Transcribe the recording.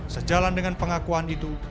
sejalan dengan pengakuan itu